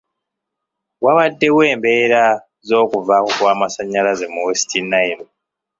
Wabaddewo embeera z'okuvaako kw'amasanyalaze mu West Nile.